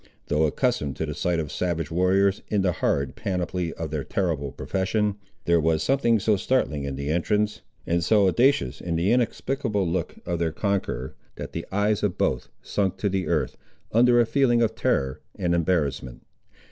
Though accustomed to the sight of savage warriors, in the horrid panoply of their terrible profession, there was something so startling in the entrance, and so audacious in the inexplicable look of their conqueror, that the eyes of both sunk to the earth, under a feeling of terror and embarrassment.